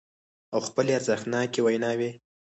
او خپلې ارزښتناکې ويناوې